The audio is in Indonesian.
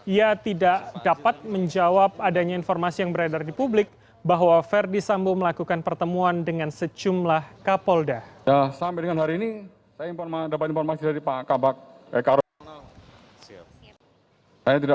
ia tidak dapat menjawab adanya informasi yang beredar di publik bahwa verdi sambo melakukan pertemuan dengan secumlah kapolda